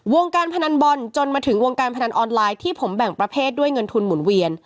วงการพนันบอลจนมาถึงวงการพนันออนไลน์ที่ผมแบ่งประเภทด้วยเงินทุนหมุนเวียน